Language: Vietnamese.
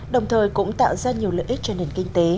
đồng thời cũng tạo ra nhiều lợi ích cho nền kinh tế